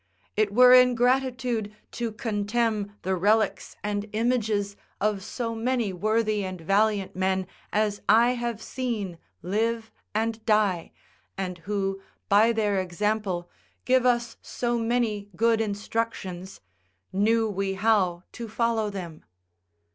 It were ingratitude to contemn the relics and images of so many worthy and valiant men as I have seen live and die, and who, by their example, give us so many good instructions, knew we how to follow them.